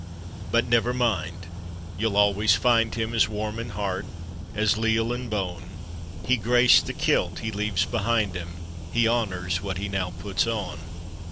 But never mind, you'll always find him As warm in heart as leal in bone — He graced the kilt he leaves behind him, He honors what he now puts on.